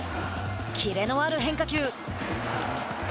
キレのある変化球。